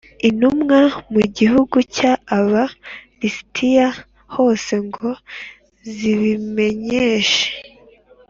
intumwa mu gihugu cy Aba lisitiya hose ngo zibimenyeshe a